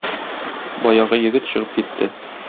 Баягы егет чыгып китте.